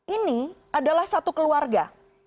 ini adalah satu keluarga